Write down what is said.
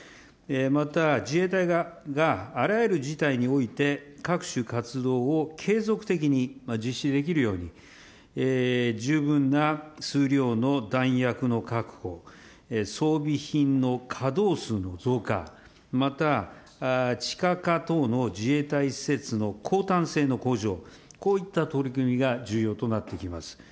また自衛隊があらゆる事態において、各種活動を継続的に実施できるように、十分な数量の弾薬の確保、装備品の稼働数の増加、また、地下化等の自衛隊施設の抗堪性の向上、こういった取り組みが重要となってきます。